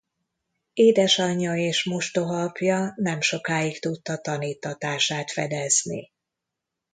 Édesanyja és mostohaapja nem sokáig tudta taníttatását fedezni.